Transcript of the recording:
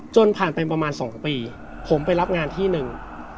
จนผ่านไปประมาณ๒ปีผมไปรับงานที่หนึ่ง